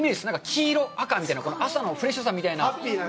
黄色、赤みたいな、朝のフレッシュさみたいな。